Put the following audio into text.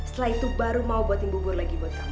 setelah itu baru mau buatin bubur lagi buat kamu